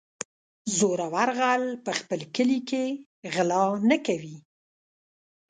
زورور غل په خپل کلي کې غلا نه کوي.